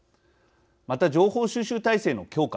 また情報収集体制の強化